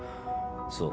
そう。